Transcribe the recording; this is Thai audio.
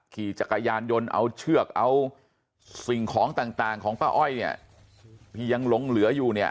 ขี่จักรยานยนต์เอาเชือกเอาสิ่งของต่างของป้าอ้อยเนี่ยที่ยังหลงเหลืออยู่เนี่ย